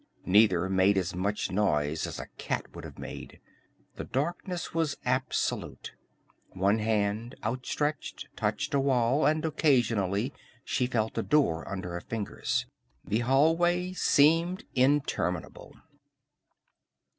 Neither made as much noise as a cat would have made. The darkness was absolute. One hand, outstretched, touched a wall, and occasionally she felt a door under her fingers. The hallway seemed interminable.